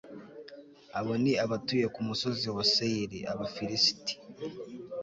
abo ni abatuye ku musozi wa seyiri, abafilisiti